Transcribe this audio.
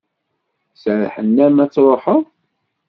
Serrḥen-am ad truḥeḍ?